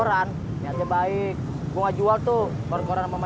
lah iya banyak usaha juga banyak rezeki